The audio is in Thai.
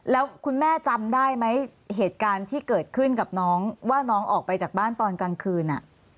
แล้วคุณแม่จำได้ไหมเหตุการณ์ที่เกิดขึ้นกับน้องว่าน้องออกไปจากบ้านตอนกลางคืน